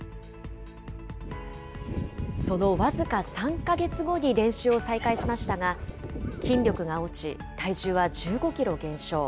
その僅か３か月後に練習を再開しましたが、筋力が落ち、体重は１５キロ減少。